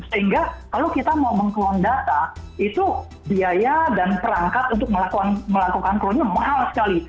sehingga kalau kita mau meng clone data itu biaya dan perangkat untuk melakukan clow nya mahal sekali